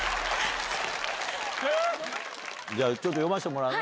じゃあ、ちょっと読ませてもらうね。